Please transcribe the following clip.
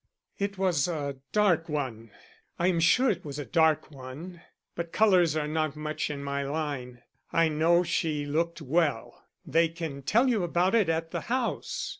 "It was a dark one. I'm sure it was a dark one, but colors are not much in my line. I know she looked well they can tell you about it at the house.